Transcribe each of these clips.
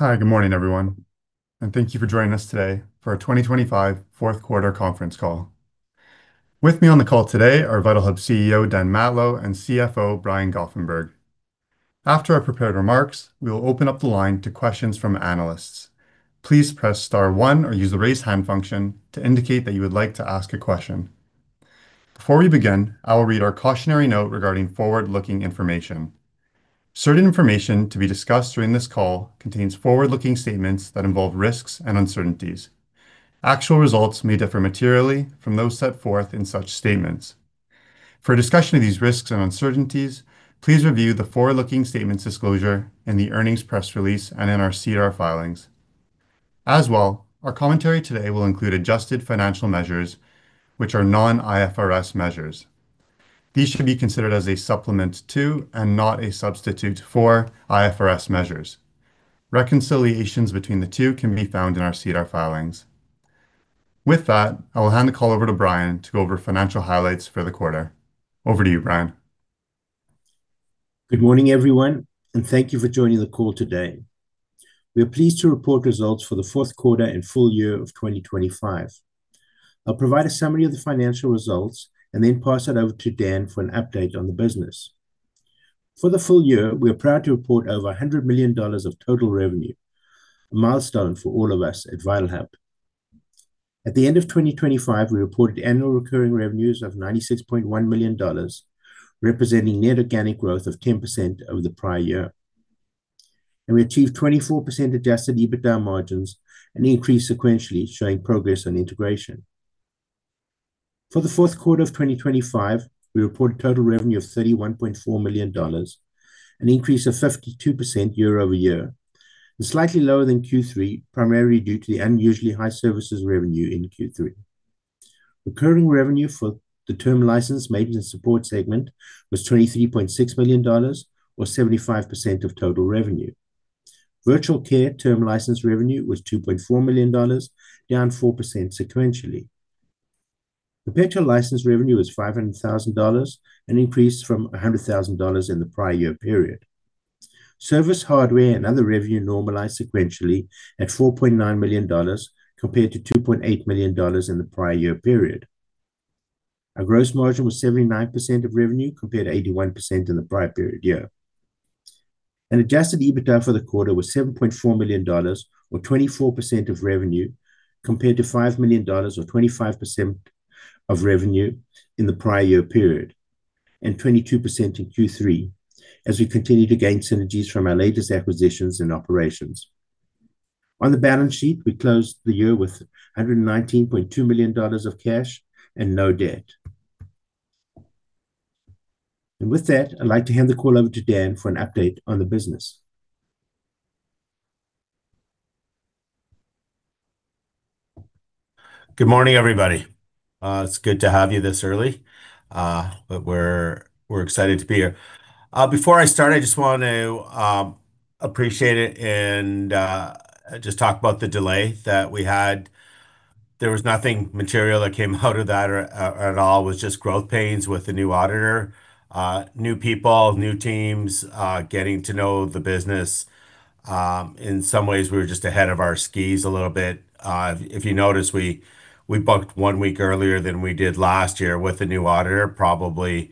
Hi, good morning everyone, and thank you for joining us today for our 2025 fourth quarter conference call. With me on the call today are Vitalhub CEO, Dan Matlow, and CFO, Brian Goffenberg. After our prepared remarks, we will open up the line to questions from analysts. Please press star one or use the raise hand function to indicate that you would like to ask a question. Before we begin, I will read our cautionary note regarding forward-looking information. Certain information to be discussed during this call contains forward-looking statements that involve risks and uncertainties. Actual results may differ materially from those set forth in such statements. For a discussion of these risks and uncertainties, please review the forward-looking statements disclosure in the earnings press release and in our SEDAR filings. As well, our commentary today will include adjusted financial measures which are non-IFRS measures. These should be considered as a supplement to, and not a substitute for, IFRS measures. Reconciliations between the two can be found in our SEDAR filings. With that, I will hand the call over to Brian to go over financial highlights for the quarter. Over to you, Brian. Good morning, everyone, and thank you for joining the call today. We are pleased to report results for the fourth quarter and full year of 2025. I'll provide a summary of the financial results and then pass it over to Dan for an update on the business. For the full year, we are proud to report over 100 million dollars of total revenue, a milestone for all of us at Vitalhub. At the end of 2025, we reported annual recurring revenues of 96.1 million dollars, representing net organic growth of 10% over the prior year. We achieved 24% adjusted EBITDA margins and increased sequentially, showing progress on integration. For the fourth quarter of 2025, we reported total revenue of 31.4 million dollars, an increase of 52% year-over-year, and slightly lower than Q3 primarily due to the unusually high services revenue in Q3. Recurring revenue for the term license maintenance support segment was 23.6 million dollars, or 75% of total revenue. Virtual care term license revenue was 2.4 million dollars, down 4% sequentially. Perpetual license revenue was 500 thousand dollars, an increase from 100 thousand dollars in the prior year period. Service, hardware, and other revenue normalized sequentially at 4.9 million dollars compared to 2.8 million dollars in the prior year period. Our gross margin was 79% of revenue, compared to 81% in the prior year period. Adjusted EBITDA for the quarter was 7.4 million dollars or 24% of revenue, compared to 5 million dollars or 25% of revenue in the prior year period, and 22% in Q3 as we continue to gain synergies from our latest acquisitions and operations. On the balance sheet, we closed the year with 119.2 million dollars of cash and no debt. With that, I'd like to hand the call over to Dan for an update on the business. Good morning, everybody. It's good to have you this early, but we're excited to be here. Before I start, I just want to appreciate it and just talk about the delay that we had. There was nothing material that came out of that at all. It was just growth pains with the new auditor, new people, new teams, getting to know the business. In some ways, we were just ahead of our skis a little bit. If you noticed, we booked one week earlier than we did last year with the new auditor. Probably,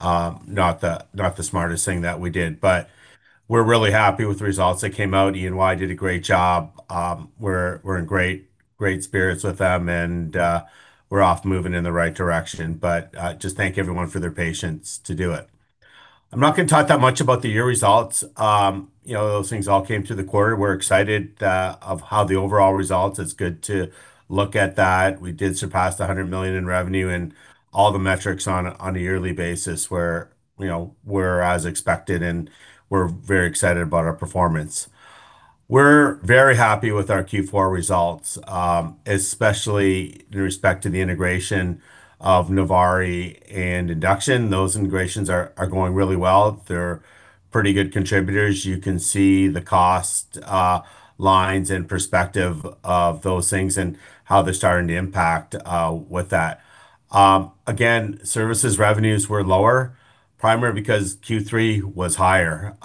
not the smartest thing that we did, but we're really happy with the results that came out. EY did a great job. We're in great spirits with them, and we're off moving in the right direction. Just thank everyone for their patience to do it. I'm not gonna talk that much about the year results. You know, those things all came through the quarter. We're excited about how the overall results. It's good to look at that. We did surpass 100 million in revenue and all the metrics on a yearly basis were you know as expected, and we're very excited about our performance. We're very happy with our Q4 results, especially in respect to the integration of Novari and Induction. Those integrations are going really well. They're pretty good contributors. You can see the cost lines in perspective of those things and how they're starting to impact with that. Again, services revenues were lower, primarily because Q3 was higher.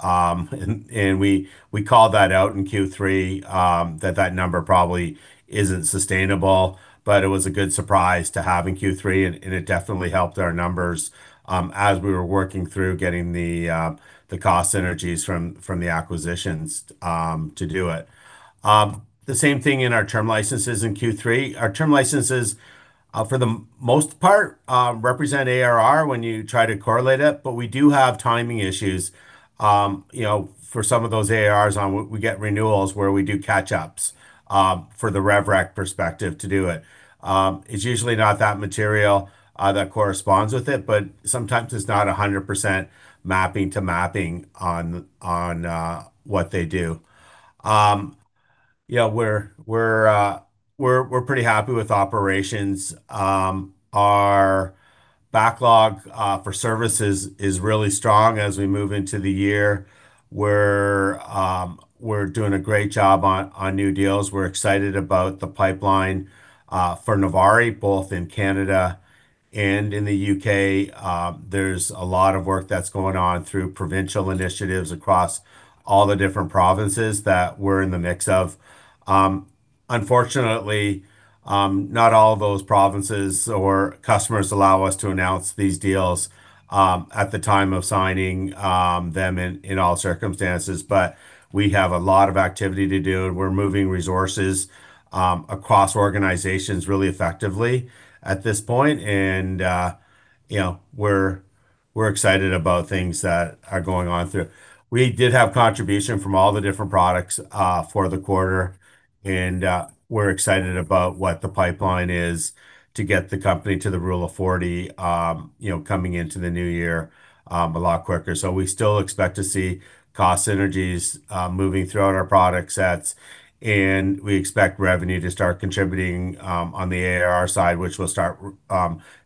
We called that out in Q3 that that number probably isn't sustainable. It was a good surprise to have in Q3, and it definitely helped our numbers as we were working through getting the cost synergies from the acquisitions to do it. The same thing in our term licenses in Q3. Our term licenses for the most part represent ARR when you try to correlate it, but we do have timing issues, you know, for some of those ARRs on we get renewals where we do catch-ups for the rev rec perspective to do it. It's usually not that material that corresponds with it, but sometimes it's not 100% mapping on what they do. Yeah, we're pretty happy with operations. Our backlog for services is really strong as we move into the year. We're doing a great job on new deals. We're excited about the pipeline for Novari, both in Canada and in the U.K. There's a lot of work that's going on through provincial initiatives across all the different provinces that we're in the mix of. Unfortunately, not all those provinces or customers allow us to announce these deals at the time of signing them in all circumstances. We have a lot of activity to do. We're moving resources across organizations really effectively at this point. You know, we're excited about things that are going on through. We did have contribution from all the different products for the quarter, and we're excited about what the pipeline is to get the company to the Rule of 40, you know, coming into the new year a lot quicker. We still expect to see cost synergies moving throughout our product sets, and we expect revenue to start contributing on the ARR side, which will start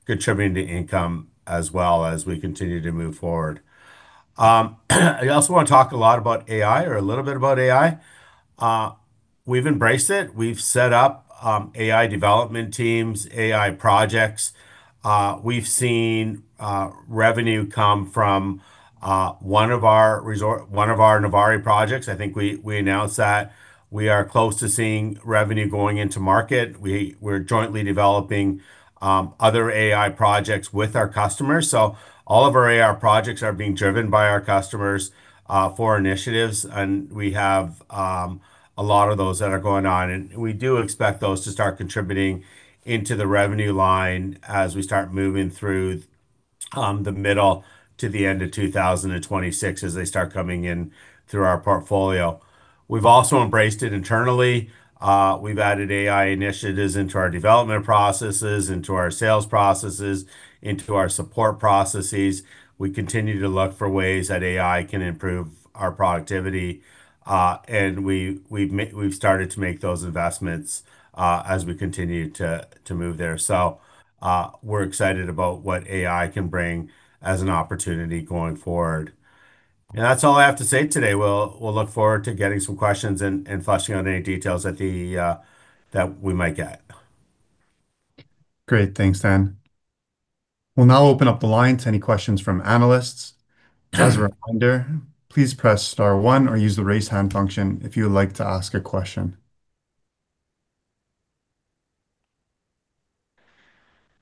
contributing to income as well as we continue to move forward. I also wanna talk a lot about AI or a little bit about AI. We've embraced it. We've set up AI development teams, AI projects. We've seen revenue come from one of our Novari projects. I think we announced that. We are close to seeing revenue going into market. We're jointly developing other AI projects with our customers. All of our AI projects are being driven by our customers for initiatives, and we have a lot of those that are going on. We do expect those to start contributing into the revenue line as we start moving through the middle to the end of 2026 as they start coming in through our portfolio. We've also embraced it internally. We've added AI initiatives into our development processes, into our sales processes, into our support processes. We continue to look for ways that AI can improve our productivity, and we've started to make those investments as we continue to move there. We're excited about what AI can bring as an opportunity going forward. That's all I have to say today. We'll look forward to getting some questions and fleshing out any details that we might get. Great. Thanks, Dan. We'll now open up the line to any questions from analysts. As a reminder, please press star one or use the raise hand function if you would like to ask a question.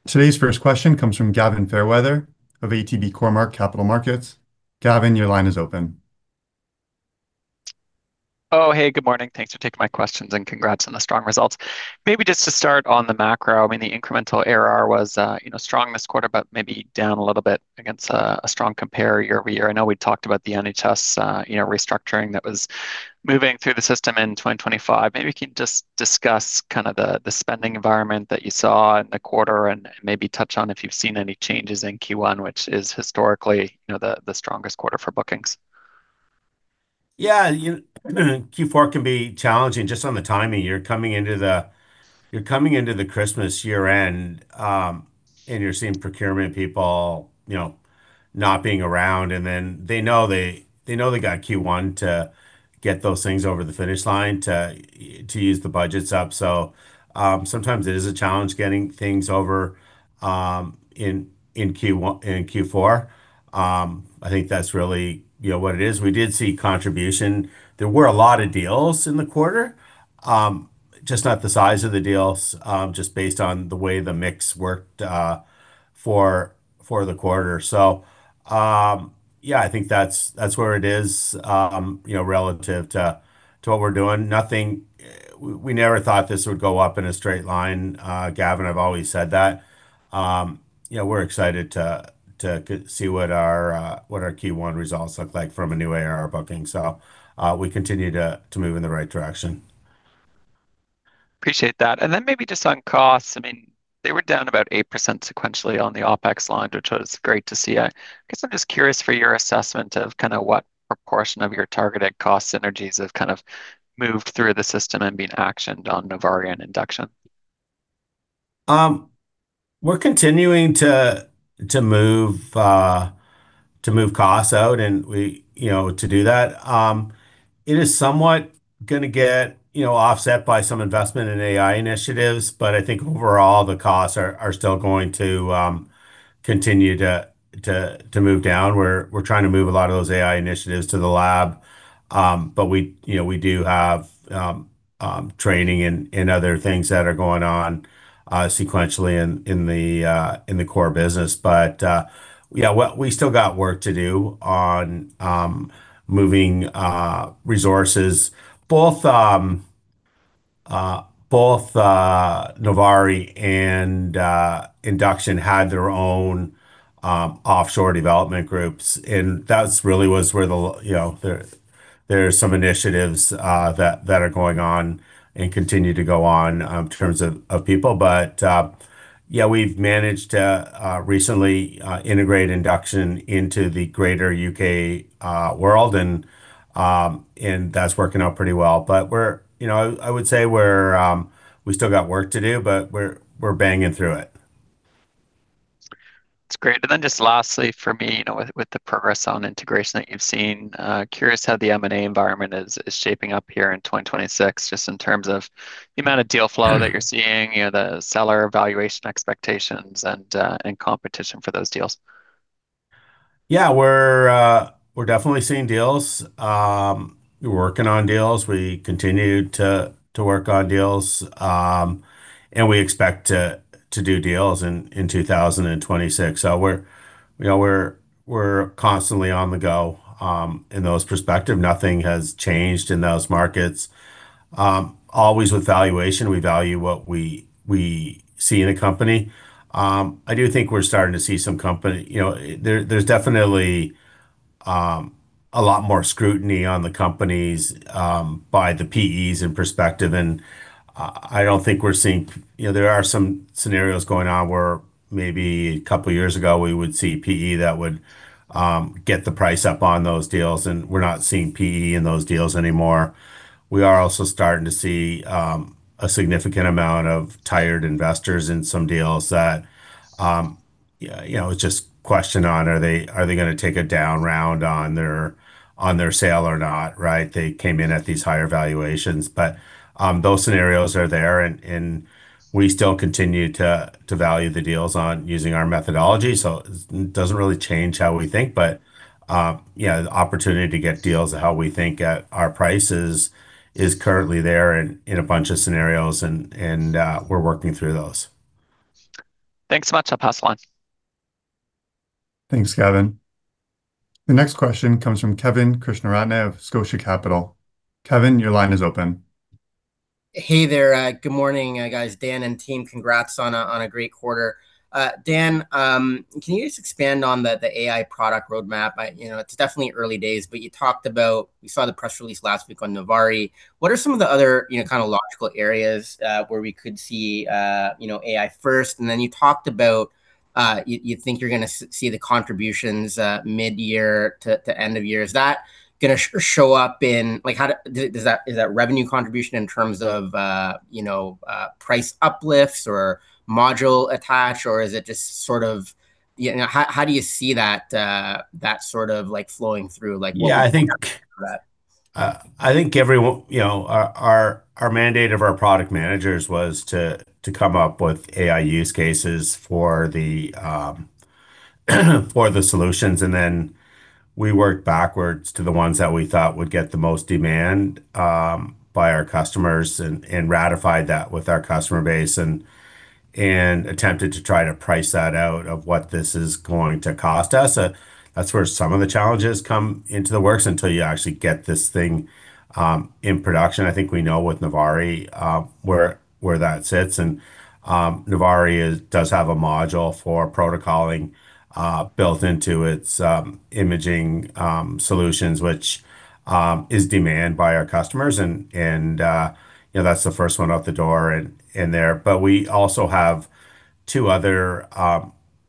Today's first question comes from Gavin Fairweather of ATB Capital Markets. Gavin, your line is open. Oh, hey, good morning. Thanks for taking my questions, and congrats on the strong results. Maybe just to start on the macro, I mean, the incremental ARR was strong this quarter, but maybe down a little bit against a strong compare year over year. I know we talked about the NHS restructuring that was moving through the system in 2025. Maybe you can just discuss kind of the spending environment that you saw in the quarter and maybe touch on if you've seen any changes in Q1, which is historically the strongest quarter for bookings. Yeah. You know, Q4 can be challenging just on the timing. You're coming into the Christmas year-end, and you're seeing procurement people, you know, not being around. Then they know they got Q1 to get those things over the finish line to use the budgets up. Sometimes it is a challenge getting things over in Q4. I think that's really, you know, what it is. We did see contribution. There were a lot of deals in the quarter, just not the size of the deals, just based on the way the mix worked for the quarter. Yeah, I think that's where it is, you know, relative to what we're doing. We never thought this would go up in a straight line, Gavin. I've always said that. You know, we're excited to see what our Q1 results look like from a new ARR booking. We continue to move in the right direction. Appreciate that. Maybe just on costs. I mean, they were down about 8% sequentially on the OpEx line, which was great to see. I guess I'm just curious for your assessment of kinda what proportion of your targeted cost synergies have kind of moved through the system and been actioned on Novari and Induction. We're continuing to move costs out, and you know, to do that. It is somewhat gonna get, you know, offset by some investment in AI initiatives, but I think overall the costs are still going to continue to move down. We're trying to move a lot of those AI initiatives to the lab. We, you know, we do have training and other things that are going on sequentially in the core business. Yeah, well, we still got work to do on moving resources. Both Novari and Induction had their own offshore development groups, and that's really you know, there are some initiatives that are going on and continue to go on in terms of people. Yeah, we've managed to recently integrate Induction into the greater U.K. world and that's working out pretty well. You know, I would say we still got work to do, but we're banging through it. That's great. Just lastly for me, you know, with the progress on integration that you've seen, curious how the M&A environment is shaping up here in 2026, just in terms of the amount of deal flow that you're seeing, you know, the seller valuation expectations and competition for those deals. Yeah, we're definitely seeing deals. We're working on deals. We continue to work on deals. We expect to do deals in 2026. We're, you know, constantly on the go in those perspectives. Nothing has changed in those markets. Always with valuation, we value what we see in a company. I do think we're starting to see some companies. You know, there's definitely a lot more scrutiny on the companies by the PEs in perspective, and I don't think we're seeing. You know, there are some scenarios going on where maybe a couple years ago we would see PE that would get the price up on those deals, and we're not seeing PE in those deals anymore. We are also starting to see a significant amount of tired investors in some deals that you know, it's just question on are they gonna take a down round on their sale or not, right? They came in at these higher valuations. Those scenarios are there and we still continue to value the deals by using our methodology. It doesn't really change how we think. You know, the opportunity to get deals at how we think at our prices is currently there in a bunch of scenarios and we're working through those. Thanks so much. I'll pass the line. Thanks, Kevin. The next question comes from Kevin Krishnaratne of Scotia Capital. Kevin, your line is open. Hey there. Good morning, guys, Dan and team. Congrats on a great quarter. Dan, can you just expand on the AI product roadmap? You know, it's definitely early days, but you talked about. You saw the press release last week on Novari. What are some of the other, you know, kind of logical areas where we could see, you know, AI first? Then you talked about, you think you're gonna see the contributions midyear to end of year. Is that gonna show up in. Like, how do. Does that, is that revenue contribution in terms of, you know, price uplifts or module attach, or is it just sort of. You know, how do you see that sort of, like, flowing through? Like what Yeah, I think you know, our mandate of our product managers was to come up with AI use cases for the solutions, and then we worked backwards to the ones that we thought would get the most demand by our customers and ratified that with our customer base and attempted to try to price that out of what this is going to cost us. That's where some of the challenges come into the works until you actually get this thing in production. I think we know with Novari where that sits, and Novari does have a module for protocolling built into its imaging solutions, which is demanded by our customers and you know, that's the first one out the door in there. We also have two other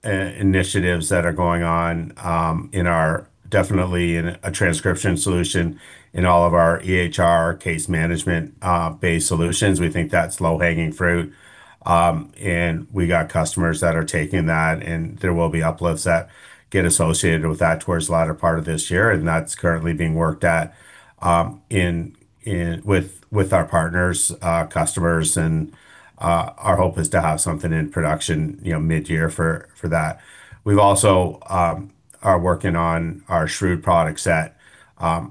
initiatives that are going on in our definitely in a transcription solution in all of our EHR case management based solutions. We think that's low-hanging fruit. We got customers that are taking that, and there will be uploads that get associated with that towards the latter part of this year, and that's currently being worked at in with our partners customers and our hope is to have something in production, you know, midyear for that. We also are working on our SHREWD product set.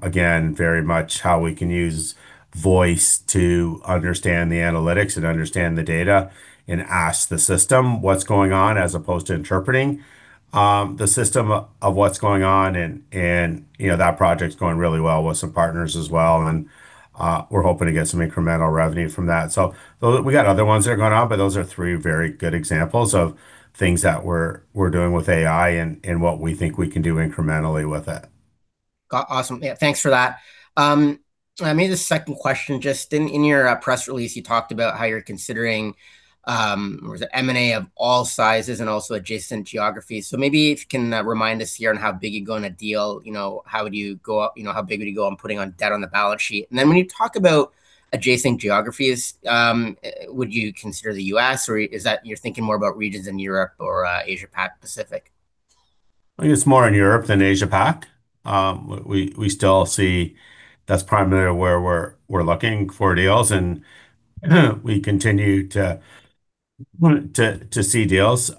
Again, very much how we can use voice to understand the analytics and understand the data and ask the system what's going on, as opposed to interpreting the system of what's going on. You know, that project's going really well with some partners as well and we're hoping to get some incremental revenue from that. We got other ones that are going on, but those are three very good examples of things that we're doing with AI and what we think we can do incrementally with it. Awesome. Yeah, thanks for that. Maybe the second question, just in your press release, you talked about how you're considering M&A of all sizes and also adjacent geographies. Maybe if you can remind us here on how big you go in a deal. You know, how big would you go on putting on debt on the balance sheet? And then when you talk about adjacent geographies, would you consider the US or is that you're thinking more about regions in Europe or Asia Pacific? I think it's more in Europe than Asia Pac. We still see that's primarily where we're looking for deals and we continue to see deals.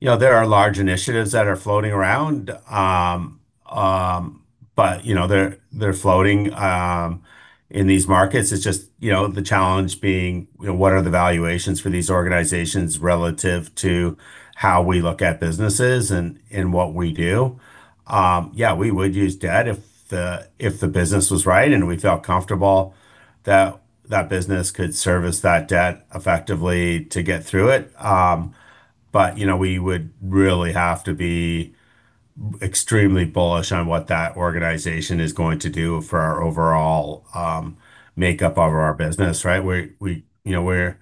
You know, there are large initiatives that are floating around. You know, they're floating in these markets. It's just, you know, the challenge being, you know, what are the valuations for these organizations relative to how we look at businesses in what we do. Yeah, we would use debt if the business was right and we felt comfortable that that business could service that debt effectively to get through it. You know, we would really have to be extremely bullish on what that organization is going to do for our overall makeup of our business, right? You know,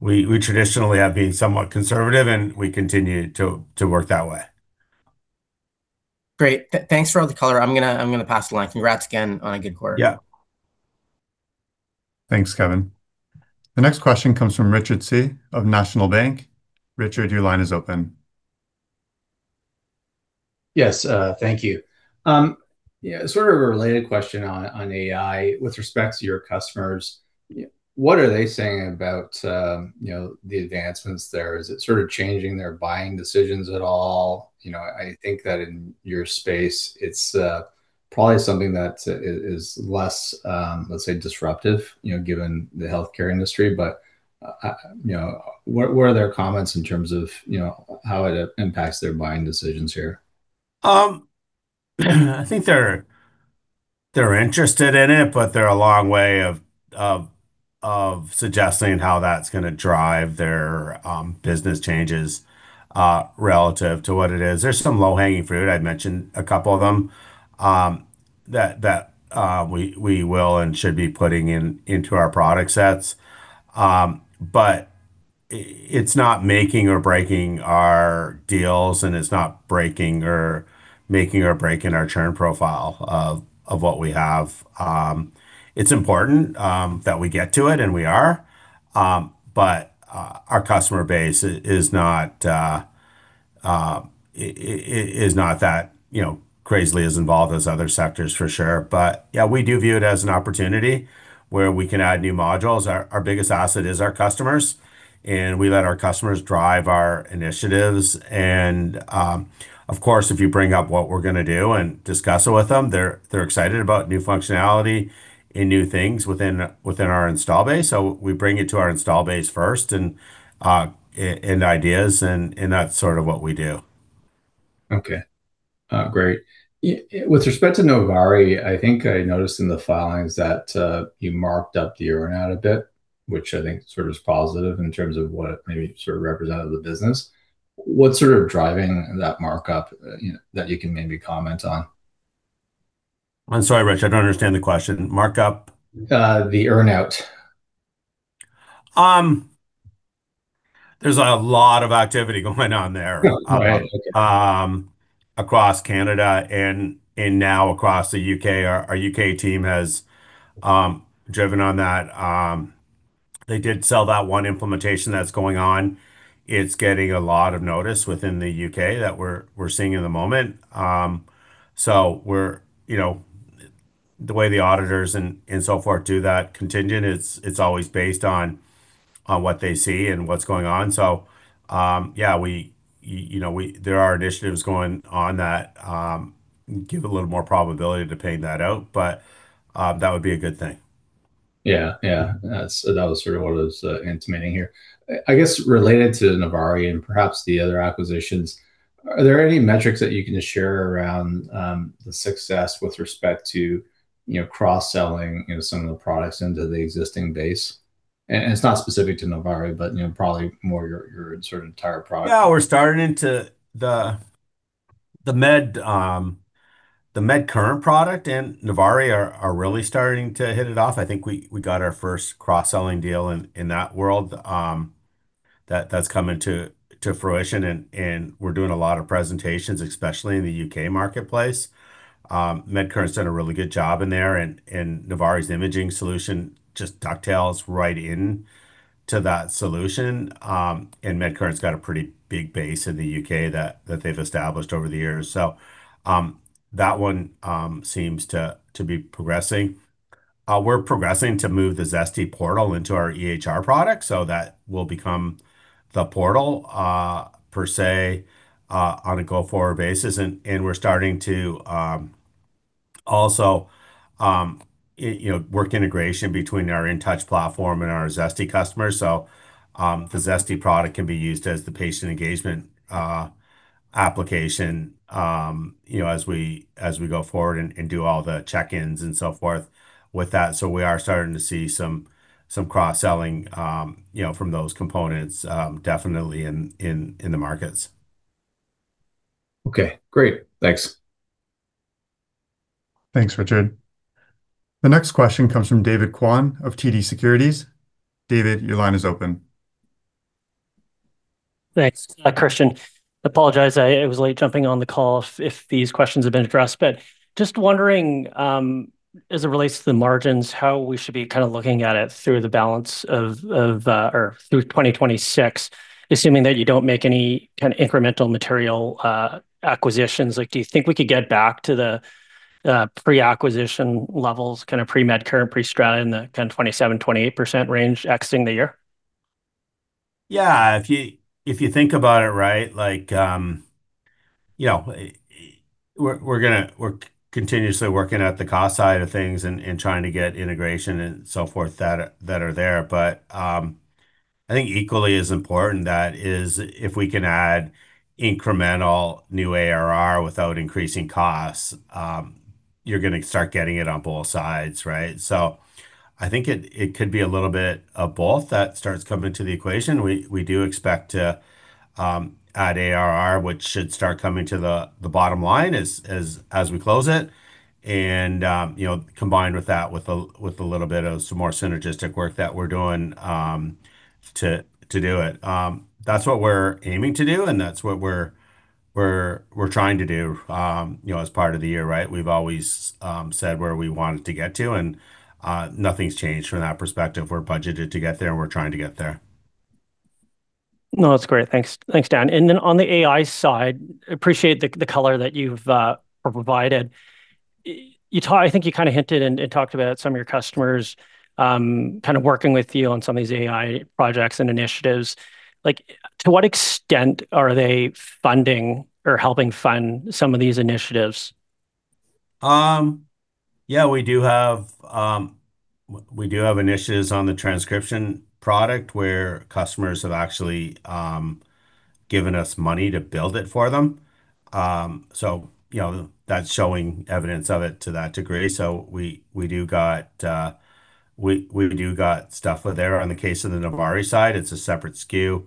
we traditionally have been somewhat conservative, and we continue to work that way. Great. Thanks for all the color. I'm gonna pass the line. Congrats again on a good quarter. Yeah. Thanks, Kevin. The next question comes from Richard Tse of National Bank Financial. Richard, your line is open. Yes, thank you. Yeah, sort of a related question on AI with respect to your customers? Yeah. What are they saying about the advancements there? Is it sort of changing their buying decisions at all? You know, I think that in your space, it's probably something that is less, let's say disruptive, you know, given the healthcare industry. But you know, what are their comments in terms of, you know, how it impacts their buying decisions here? I think they're interested in it, but they're a long way off suggesting how that's gonna drive their business changes relative to what it is. There's some low-hanging fruit, I'd mentioned a couple of them, that we will and should be putting into our product sets. It's not making or breaking our deals, and it's not making or breaking our churn profile of what we have. It's important that we get to it, and we are, but our customer base is not that, you know, crazily as involved as other sectors for sure. Yeah, we do view it as an opportunity where we can add new modules. Our biggest asset is our customers, and we let our customers drive our initiatives and, of course, if you bring up what we're gonna do and discuss it with them, they're excited about new functionality and new things within our install base. We bring it to our install base first and ideas and that's sort of what we do. Okay. Great. With respect to Novari, I think I noticed in the filings that you marked up the earn-out a bit, which I think sort of is positive in terms of what maybe sort of represented the business. What's sort of driving that markup, you know, that you can maybe comment on? I'm sorry, Richard, I don't understand the question. Markup? The earn-out. There's a lot of activity going on there. Right. Okay. Across Canada and now across the UK. Our UK team has driven on that. They did sell that one implementation that's going on. It's getting a lot of notice within the UK that we're seeing at the moment. The way the auditors and so forth do that contingent, it's always based on what they see and what's going on. Yeah, you know, there are initiatives going on that give a little more probability to paying that out, but that would be a good thing. Yeah. That was sort of what I was intimating here. I guess related to Novari and perhaps the other acquisitions, are there any metrics that you can just share around the success with respect to, you know, cross-selling, you know, some of the products into the existing base? It's not specific to Novari, but, you know, probably more your sort of entire product. Yeah. We're starting to see the MedCurrent product and Novari are really starting to hit it off. I think we got our first cross-selling deal in that world that's coming to fruition and we're doing a lot of presentations, especially in the UK marketplace. MedCurrent's done a really good job in there and Novari's imaging solution just dovetails right in to that solution. MedCurrent's got a pretty big base in the UK that they've established over the years. That one seems to be progressing. We're progressing to move the Zesty portal into our EHR product, so that will become the portal per se on a go-forward basis. We're starting to also you know work integration between our Intouch platform and our Zesty customers. The Zesty product can be used as the patient engagement application, you know, as we go forward and do all the check-ins and so forth with that. We are starting to see some cross-selling, you know, from those components, definitely in the markets. Okay. Great. Thanks. Thanks, Richard. The next question comes from David Kwan of TD Securities. David, your line is open. Thanks, Christian. Apologize, I was late jumping on the call if these questions have been addressed. Just wondering, as it relates to the margins, how we should be kind of looking at it through the balance of or through 2026, assuming that you don't make any kind of incremental material acquisitions. Like, do you think we could get back to the pre-acquisition levels, kind of pre-MedCurrent, pre-Strata in the kind of 27%-28% range exiting the year? Yeah, if you think about it, right, like, you know, we're continuously working at the cost side of things and trying to get integration and so forth that are there. I think equally as important that is if we can add incremental new ARR without increasing costs, you're gonna start getting it on both sides, right? I think it could be a little bit of both that starts coming to the equation. We do expect to add ARR, which should start coming to the bottom line as we close it. You know, combined with that with a little bit of some more synergistic work that we're doing, to do it. That's what we're aiming to do, and that's what we're trying to do, you know, as part of the year, right? We've always said where we wanted to get to, and nothing's changed from that perspective. We're budgeted to get there, and we're trying to get there. No, that's great. Thanks, Dan. On the AI side, appreciate the color that you've provided. I think you kinda hinted and talked about some of your customers kind of working with you on some of these AI projects and initiatives. Like, to what extent are they funding or helping fund some of these initiatives? Yeah, we do have initiatives on the transcription product where customers have actually given us money to build it for them. You know, that's showing evidence of it to that degree. We do got stuff there. On the case of the Novari side, it's a separate SKU.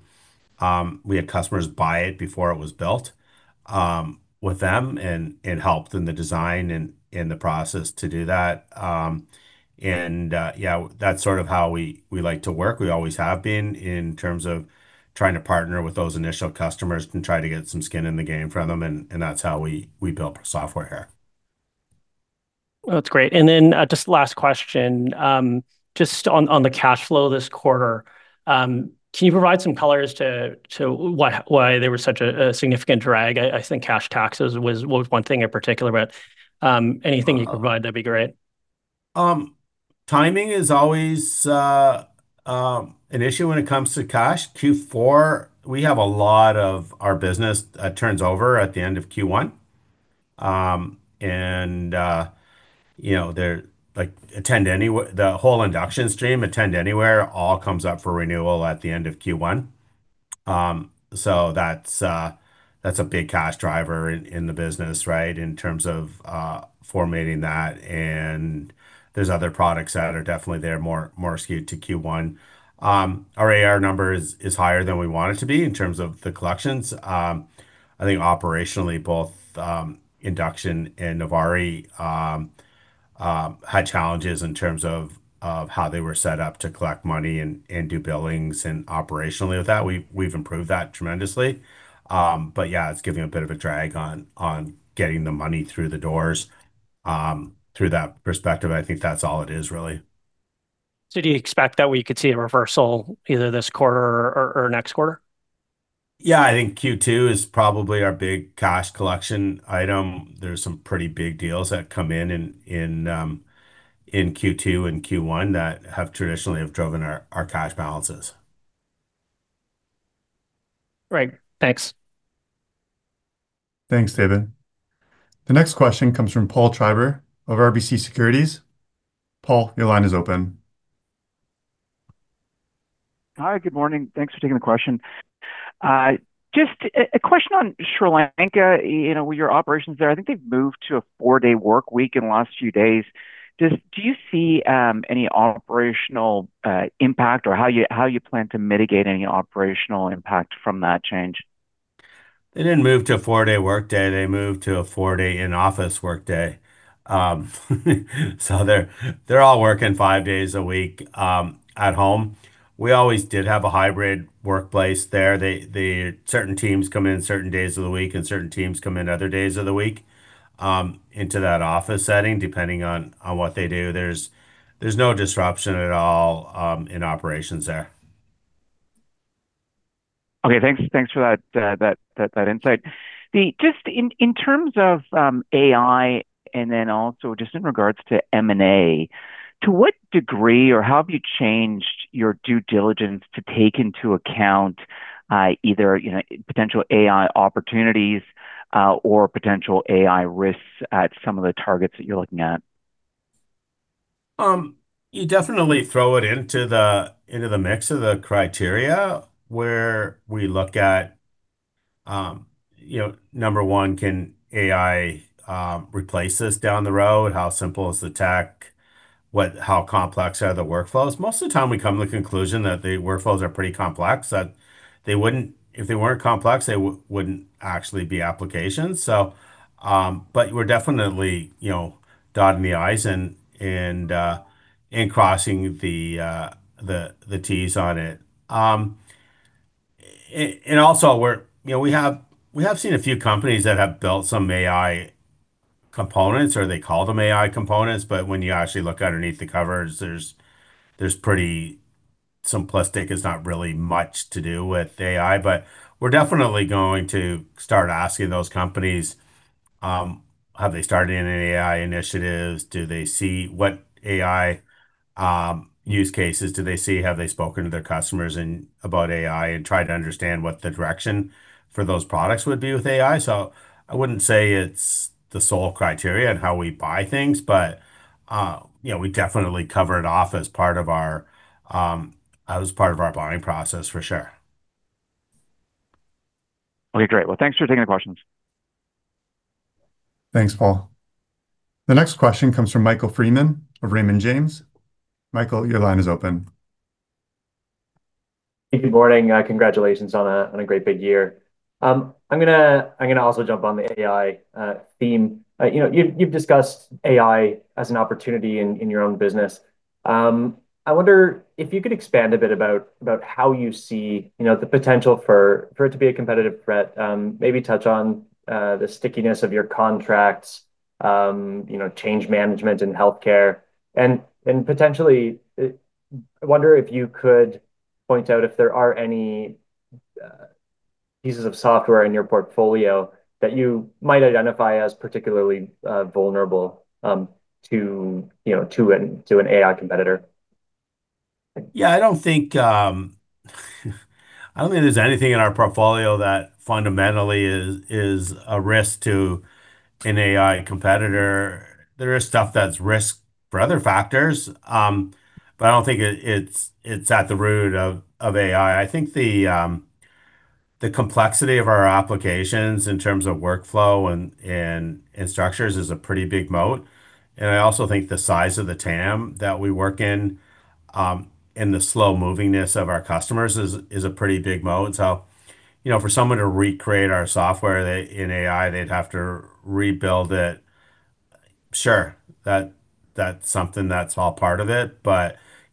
We had customers buy it before it was built, with them and helped in the design and in the process to do that. Yeah, that's sort of how we like to work. We always have been in terms of trying to partner with those initial customers and try to get some skin in the game from them, and that's how we build software. That's great. Just last question. Just on the cash flow this quarter, can you provide some color as to why there was such a significant drag? I think cash taxes was one thing in particular, but anything you could provide, that'd be great. Timing is always an issue when it comes to cash. Q4, we have a lot of our business turns over at the end of Q1. You know, like Attend Anywhere. The whole Induction stream, Attend Anywhere, all comes up for renewal at the end of Q1. That's a big cash driver in the business, right, in terms of funding that. There's other products that are definitely there more skewed to Q1. Our AR number is higher than we want it to be in terms of the collections. I think operationally, both Induction and Novari had challenges in terms of how they were set up to collect money and do billings. Operationally with that, we've improved that tremendously. Yeah, it's giving a bit of a drag on getting the money through the doors, through that perspective. I think that's all it is, really. Do you expect that we could see a reversal either this quarter or next quarter? Yeah, I think Q2 is probably our big cash collection item. There's some pretty big deals that come in Q2 and Q1 that have traditionally driven our cash balances. Right. Thanks. Thanks, David. The next question comes from Paul Treiber of RBC Capital Markets. Paul, your line is open. Hi, good morning. Thanks for taking the question. Just a question on Sri Lanka. You know, your operations there, I think they've moved to a four-day work week in the last few days. Do you see any operational impact or how you plan to mitigate any operational impact from that change? They didn't move to a four-day workday. They moved to a four-day in-office workday. They're all working five days a week at home. We always did have a hybrid workplace there. Certain teams come in certain days of the week, and certain teams come in other days of the week into that office setting, depending on what they do. There's no disruption at all in operations there. Okay, thanks. Thanks for that insight. Just in terms of AI and then also just in regards to M&A, to what degree or how have you changed your due diligence to take into account either, you know, potential AI opportunities or potential AI risks at some of the targets that you're looking at? You definitely throw it into the mix of the criteria where we look at, you know, number one, can AI replace us down the road? How simple is the tech? How complex are the workflows? Most of the time we come to the conclusion that the workflows are pretty complex, that they wouldn't if they weren't complex, they wouldn't actually be applications. But we're definitely, you know, dotting the I's and crossing the T's on it. And also we're, you know, we have seen a few companies that have built some AI components, or they call them AI components, but when you actually look underneath the covers, it's pretty simplistic. It's not really much to do with AI. We're definitely going to start asking those companies, have they started any AI initiatives? Do they see what AI use cases do they see? Have they spoken to their customers and about AI and tried to understand what the direction for those products would be with AI? I wouldn't say it's the sole criteria in how we buy things, but, you know, we definitely cover it off as part of our buying process, for sure. Okay, great. Well, thanks for taking the questions. Thanks, Paul. The next question comes from Michael Freeman of Raymond James. Michael, your line is open. Good morning. Congratulations on a great big year. I'm gonna also jump on the AI theme. You know, you've discussed AI as an opportunity in your own business. I wonder if you could expand a bit about how you see, you know, the potential for it to be a competitive threat. Maybe touch on the stickiness of your contracts. You know, change management in healthcare and potentially it. I wonder if you could point out if there are any pieces of software in your portfolio that you might identify as particularly vulnerable to, you know, to an AI competitor. Yeah, I don't think there's anything in our portfolio that fundamentally is a risk to an AI competitor. There is stuff that's a risk for other factors, but I don't think it's at the root of AI. I think the complexity of our applications in terms of workflow and structures is a pretty big moat. I also think the size of the TAM that we work in and the slow moving-ness of our customers is a pretty big moat. You know, for someone to recreate our software in AI, they'd have to rebuild it. Sure. That's something that's all part of it.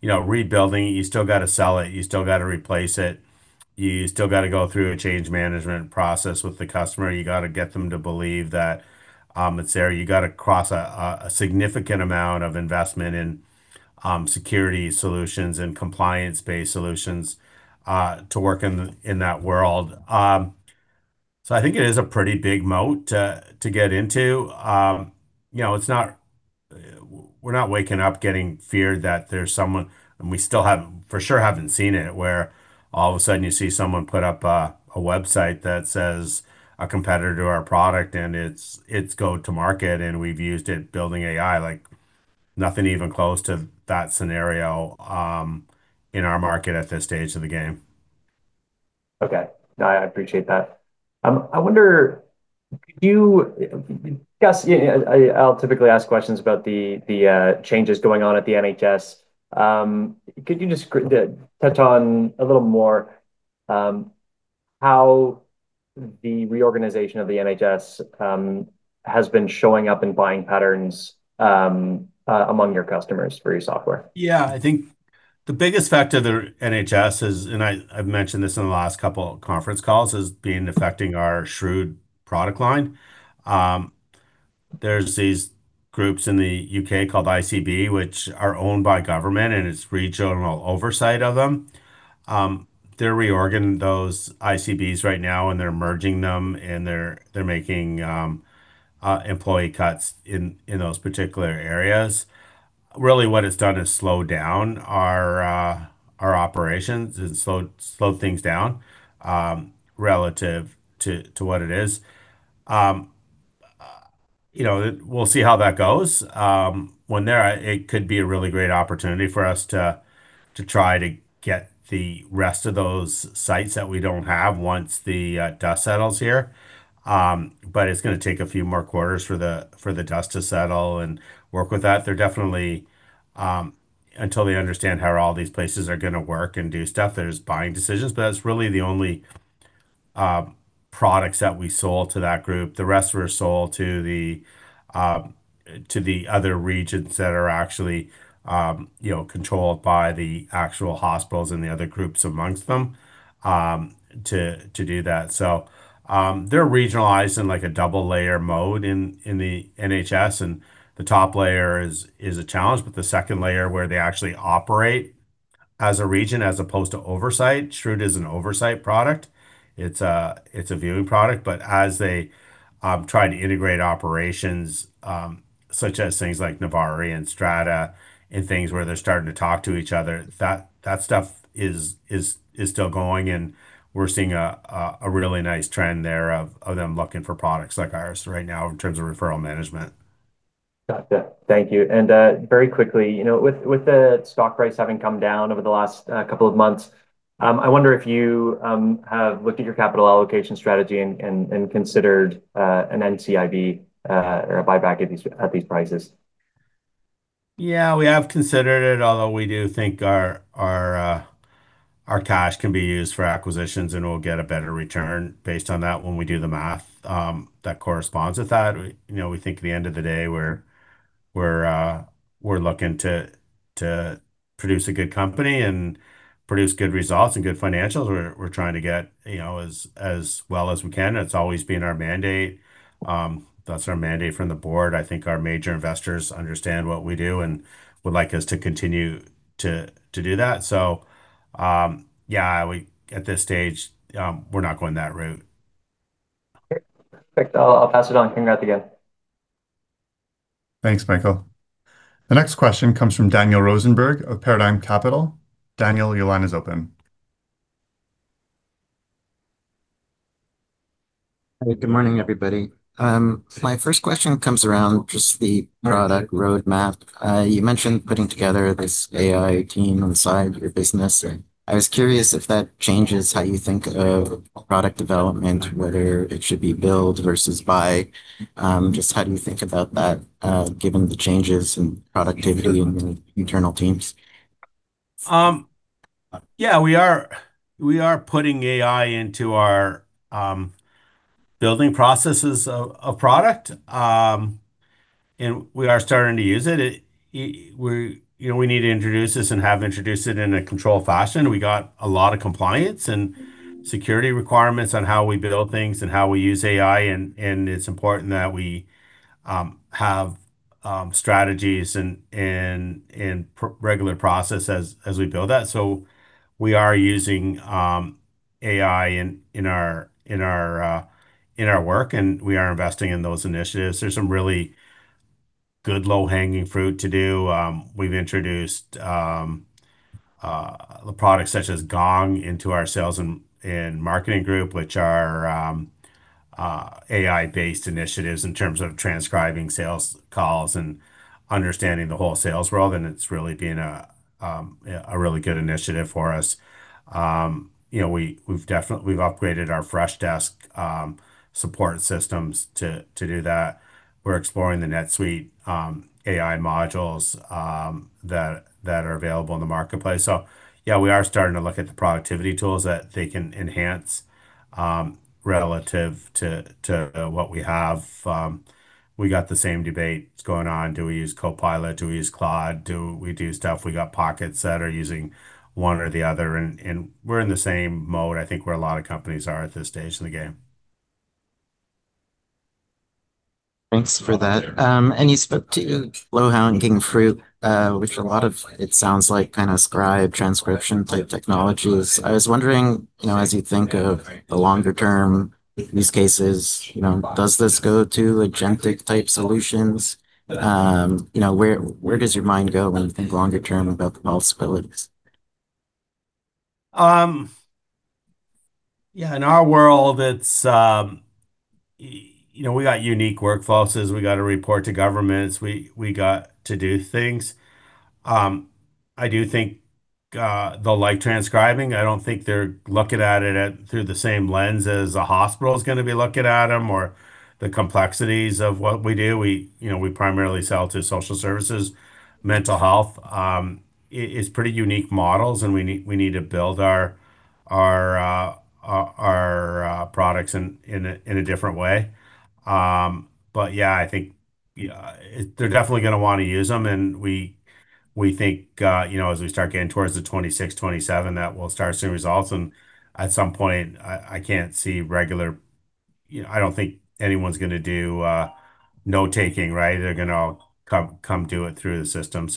You know, rebuilding, you still gotta sell it, you still gotta replace it, you still gotta go through a change management process with the customer. You gotta get them to believe that, it's there. You gotta cross a significant amount of investment in security solutions and compliance-based solutions to work in that world. I think it is a pretty big moat to get into. You know, it's not. We're not waking up in fear that there's someone. We still haven't, for sure, seen it, where all of a sudden you see someone put up a website that says a competitor to our product and it's go-to-market and we've used it building AI. Like, nothing even close to that scenario in our market at this stage of the game. Okay. No, I appreciate that. I'll typically ask questions about the changes going on at the NHS. Could you just touch on a little more how the reorganization of the NHS has been showing up in buying patterns among your customers for your software? Yeah. I think the biggest effect of the NHS is. I've mentioned this in the last couple of conference calls. It is affecting our SHREWD product line. There's these groups in the UK called ICB which are owned by government, and it's regional oversight of them. They're reorganizing those ICBs right now, and they're merging them, and they're making employee cuts in those particular areas. Really what it's done is slow down our operations. It slowed things down relative to what it is. You know, we'll see how that goes. It could be a really great opportunity for us to try to get the rest of those sites that we don't have once the dust settles here. It's gonna take a few more quarters for the dust to settle and work with that. They're definitely until they understand how all these places are gonna work and do stuff, there's buying decisions. That's really the only products that we sold to that group. The rest were sold to the other regions that are actually, you know, controlled by the actual hospitals and the other groups amongst them, to do that. They're regionalized in, like, a double layer mode in the NHS, and the top layer is a challenge, but the second layer where they actually operate as a region as opposed to oversight. SHREWD is an oversight product. It's a viewing product. As they try to integrate operations, such as things like Novari and Strata and things where they're starting to talk to each other, that stuff is still going and we're seeing a really nice trend there of them looking for products like ours right now in terms of referral management. Gotcha. Thank you. Very quickly, you know, with the stock price having come down over the last couple of months, I wonder if you have looked at your capital allocation strategy and considered an NCIB or a buyback at these prices. Yeah. We have considered it, although we do think our cash can be used for acquisitions and we'll get a better return based on that when we do the math, that corresponds with that. You know, we think at the end of the day we're looking to produce a good company and produce good results and good financials. We're trying to get, you know, as well as we can. It's always been our mandate. That's our mandate from the board. I think our major investors understand what we do and would like us to continue to do that. Yeah, we, at this stage, we're not going that route. Okay. Perfect. I'll pass it on. Congrats again. Thanks, Michael. The next question comes from Daniel Rosenberg of Paradigm Capital. Daniel, your line is open. Good morning, everybody. My first question comes around just the product roadmap. You mentioned putting together this AI team inside your business. Right. I was curious if that changes how you think of product development, whether it should be build versus buy. Just how do you think about that, given the changes in productivity in the internal teams? Yeah. We are putting AI into our building processes of product. We are starting to use it. We, you know, we need to introduce this and have introduced it in a controlled fashion. We got a lot of compliance and security requirements on how we build things and how we use AI and it's important that we have strategies and regular processes as we build that. We are using AI in our work, and we are investing in those initiatives. There's some really good low-hanging fruit to do. We've introduced the products such as Gong into our sales and marketing group, which are AI-based initiatives in terms of transcribing sales calls and understanding the whole sales world, and it's really been a really good initiative for us. You know, we've definitely upgraded our Freshdesk support systems to do that. We're exploring the NetSuite AI modules that are available in the marketplace. Yeah, we are starting to look at the productivity tools that they can enhance relative to what we have. We got the same debate that's going on. Do we use Copilot? Do we use Claude? Do we do stuff? We got pockets that are using one or the other. We're in the same mode, I think, where a lot of companies are at this stage in the game. Thanks for that. You spoke to low-hanging fruit, which a lot of it sounds like kind of scribe transcription type technologies. I was wondering, you know, as you think of the longer term use cases, you know, does this go to agentic type solutions? You know, where does your mind go when you think longer term about the possibilities? Yeah, in our world, it's you know, we got unique workflows. We gotta report to governments. We got to do things. I do think they'll like transcribing. I don't think they're looking at it through the same lens as a hospital's gonna be looking at them or the complexities of what we do. You know, we primarily sell to social services, mental health. It's pretty unique models, and we need to build our products in a different way. Yeah, I think, yeah, they're definitely gonna wanna use them, and we think, you know, as we start getting towards 2026, 2027, that we'll start seeing results. At some point, I can't see regular. You know, I don't think anyone's gonna do note-taking, right? They're gonna come do it through the system.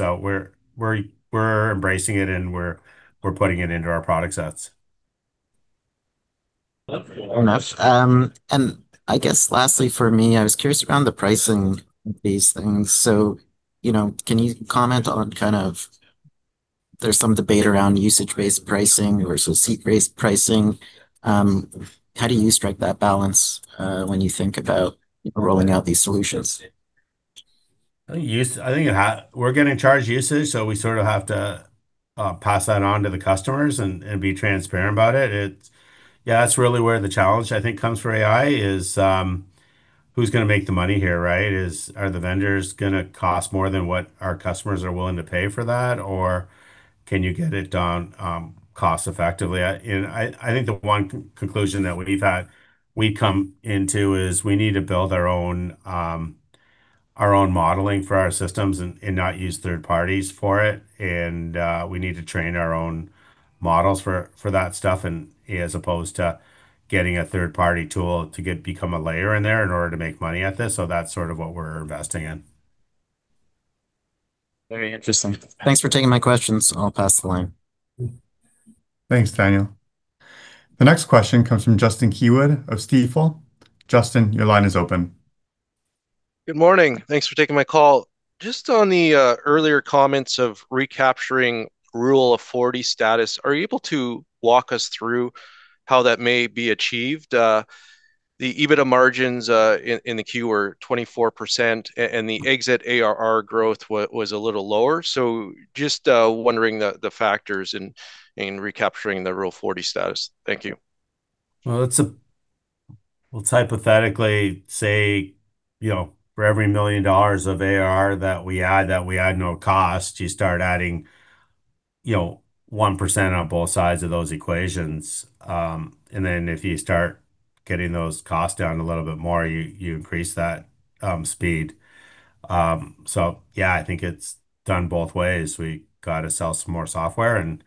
We're embracing it, and we're putting it into our product sets. Fair enough. I guess lastly for me, I was curious around the pricing of these things. You know, can you comment on kind of there's some debate around usage-based pricing versus seat-based pricing? How do you strike that balance, when you think about rolling out these solutions? I think we're getting charged usage, so we sort of have to pass that on to the customers and be transparent about it. That's really where the challenge, I think, comes for AI is, who's gonna make the money here, right? Are the vendors gonna cost more than what our customers are willing to pay for that, or can you get it done cost-effectively? I think the one conclusion that we've come to is we need to build our own modeling for our systems and not use third parties for it. We need to train our own models for that stuff and as opposed to getting a third-party tool to become a layer in there in order to make money at this. That's sort of what we're investing in. Very interesting. Thanks for taking my questions. I'll pass the line. Thanks, Daniel. The next question comes from Justin Keywood of Stifel. Justin, your line is open. Good morning. Thanks for taking my call. Just on the earlier comments of recapturing Rule of 40 status, are you able to walk us through how that may be achieved? The EBITDA margins in the Q were 24% and the exit ARR growth was a little lower, so just wondering the factors in recapturing the Rule of 40 status. Thank you. Well, let's hypothetically say, you know, for every 1 million dollars of ARR that we add no cost. You start adding, you know, 1% on both sides of those equations. And then if you start getting those costs down a little bit more, you increase that speed. Yeah, I think it's done both ways. We gotta sell some more software and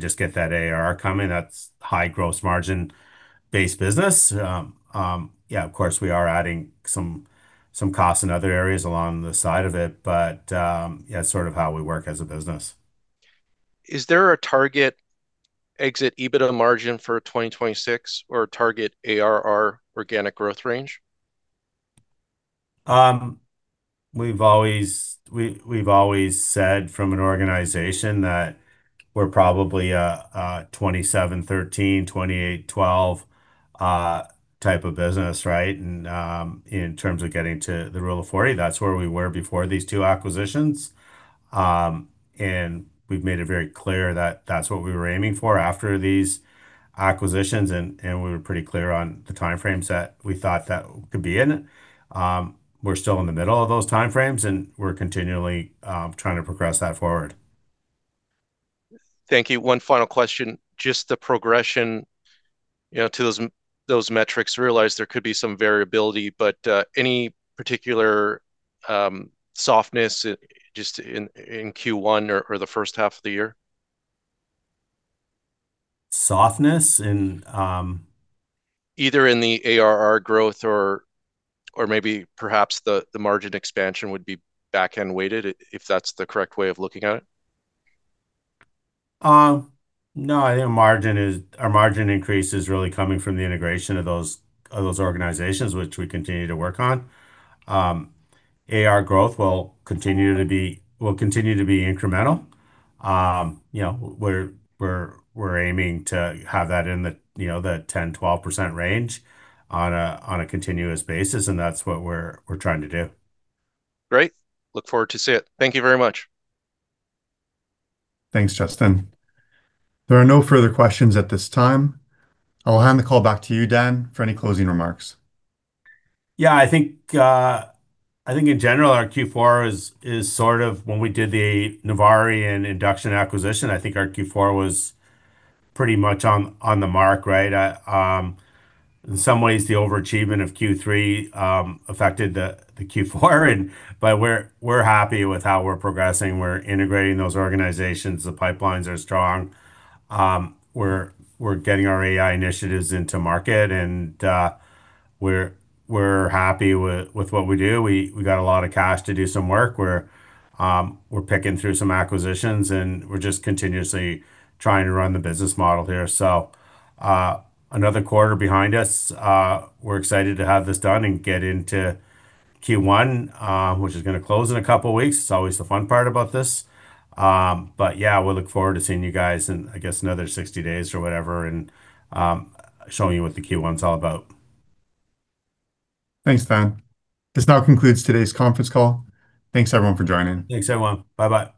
just get that ARR coming. That's high gross margin-based business. Yeah, of course, we are adding some costs in other areas along the side of it, but yeah, sort of how we work as a business. Is there a target exit EBITDA margin for 2026 or target ARR organic growth range? We've always said, as an organization, that we're probably a 27%, 13%, 28%, 12% type of business, right? In terms of getting to the Rule of 40, that's where we were before these two acquisitions. We've made it very clear that that's what we were aiming for after these acquisitions, and we were pretty clear on the timeframes that we thought that could be in. We're still in the middle of those timeframes, and we're continually trying to progress that forward. Thank you. One final question. Just the progression, you know, to those metrics. Realize there could be some variability, but any particular softness just in Q1 or the first half of the year? Softness in. Either in the ARR growth or maybe perhaps the margin expansion would be back-end weighted, if that's the correct way of looking at it. No, I think our margin increase is really coming from the integration of those organizations which we continue to work on. ARR growth will continue to be incremental. You know, we're aiming to have that in the 10-12% range on a continuous basis, and that's what we're trying to do. Great. Look forward to see it. Thank you very much. Thanks, Justin. There are no further questions at this time. I'll hand the call back to you, Dan, for any closing remarks. Yeah. I think in general, our Q4 is sort of when we did the Novari and Induction acquisition. I think our Q4 was pretty much on the mark, right? In some ways, the overachievement of Q3 affected the Q4 but we're happy with how we're progressing. We're integrating those organizations. The pipelines are strong. We're getting our AI initiatives into market and we're happy with what we do. We got a lot of cash to do some work. We're picking through some acquisitions, and we're just continuously trying to run the business model here. Another quarter behind us. We're excited to have this done and get into Q1, which is gonna close in a couple weeks. It's always the fun part about this. Yeah, we look forward to seeing you guys in, I guess, another 60 days or whatever and showing you what the Q1's all about. Thanks, Dan. This now concludes today's conference call. Thanks everyone for joining. Thanks, everyone. Bye-bye.